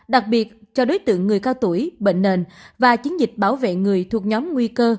đặc biệt cho đối tượng người cao tuổi bệnh nền và chiến dịch bảo vệ người thuộc nhóm nguy cơ